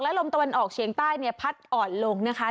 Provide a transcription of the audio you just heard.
ลมตะวันออกเฉียงใต้เนี่ยพัดอ่อนลงนะคะ